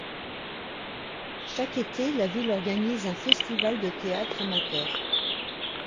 Chaque été, la ville organise un festival de théâtre amateur.